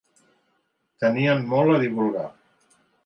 Tenien molt a divulgar.